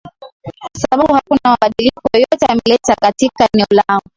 kwa sababu hakuna mabadiliko yeyote ameleta katika eneo langu